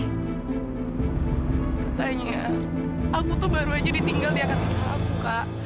katanya aku tuh baru aja ditinggal di akad misal aku kak